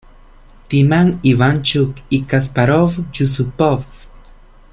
Timman-Ivanchuk y Kasparov-Yusupov.